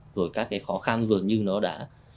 rồi các cái khó khăn dường như nó đã